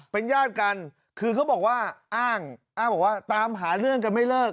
เป็นญาติกันคือเขาบอกว่าอ้างอ้างบอกว่าตามหาเรื่องกันไม่เลิก